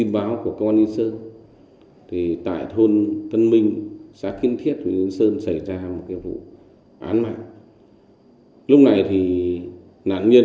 và các cơ quan điều tra công an tỉnh